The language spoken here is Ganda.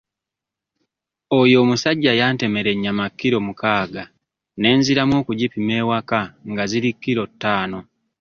Oyo omusajja yantemera ennyama kiro mukaaga ne nziramu okugipima ewaka nga ziri kiro ttaano.